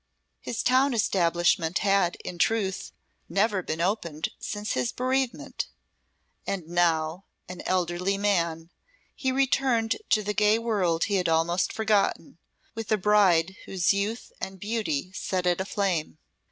His town establishment had, in truth, never been opened since his bereavement; and now an elderly man he returned to the gay world he had almost forgotten, with a bride whose youth and beauty set it aflame.